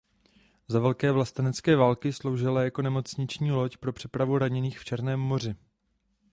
Za Velké vlastenecké války sloužila jako nemocniční loď pro přepravu raněných v Černém moři.